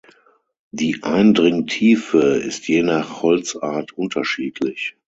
Die Eindringtiefe ist je nach Holzart unterschiedlich.